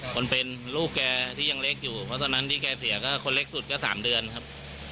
คนเป็นลูกแกที่ยังเล็กอยู่เพราะฉะนั้นที่แกเสียก็คนเล็กสุดก็๓เดือนครับ